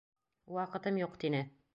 Ваҡытым юҡ, тине.